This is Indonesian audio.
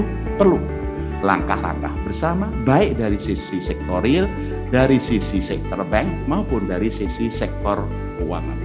ini perlu langkah langkah bersama baik dari sisi sektor real dari sisi sektor bank maupun dari sisi sektor keuangan